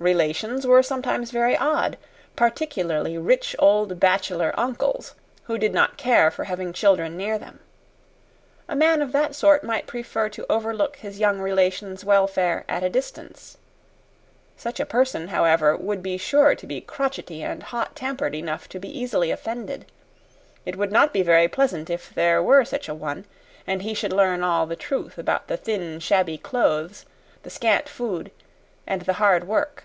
Relations were sometimes very odd particularly rich old bachelor uncles, who did not care for having children near them. A man of that sort might prefer to overlook his young relation's welfare at a distance. Such a person, however, would be sure to be crotchety and hot tempered enough to be easily offended. It would not be very pleasant if there were such a one, and he should learn all the truth about the thin, shabby clothes, the scant food, and the hard work.